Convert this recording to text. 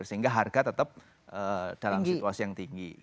sehingga harga tetap dalam situasi yang tinggi